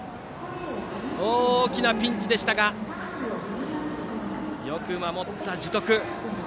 大きなピンチでしたがよく守った樹徳。